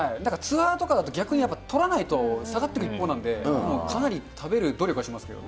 だからツアーとかだと、逆にやっぱとらないと下がっていく一方なので、かなり食べる努力はしますけど。